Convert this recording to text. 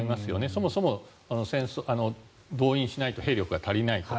そもそも動員しないと兵力が足りないと。